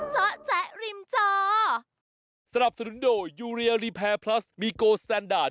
สำหรับสนุนโดยูเรียลรีแพร์พลัสมีโกสต์สแตนดาร์ด